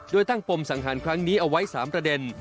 โดยตั้งปมสังหารครั้งนี้เอาไว้๓ประเด็น